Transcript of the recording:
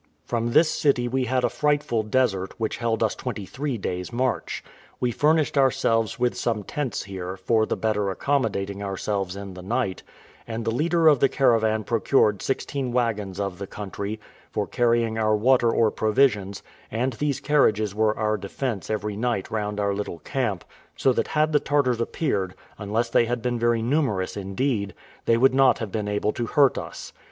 From this city we had a frightful desert, which held us twenty three days' march. We furnished ourselves with some tents here, for the better accommodating ourselves in the night; and the leader of the caravan procured sixteen waggons of the country, for carrying our water or provisions, and these carriages were our defence every night round our little camp; so that had the Tartars appeared, unless they had been very numerous indeed, they would not have been able to hurt us.